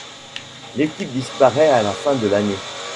L'équipe disparaît à la fin de l'année.